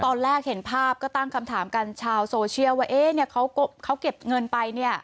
ตอนแรกเห็นภาพก็ตั้งคำถามกันชาวโซเชียลว่าเขาเก็บเงินไปเนี่ย